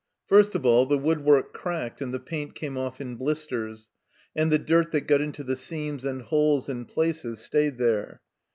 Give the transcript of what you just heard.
r First of all, the woodwork cracked and the paint came off in blisters, and the dirt that got into the seams and holes and places stayed there.